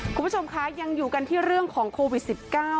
คุณผู้ชมคะยังอยู่กันที่เรื่องของโควิด๑๙